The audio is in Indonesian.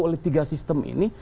oleh tiga sistem ini